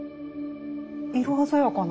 色鮮やかな。